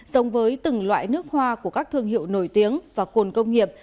giống với từng loại nước hoa của các thương hiệu nổi tiếng và cồn công nghiệp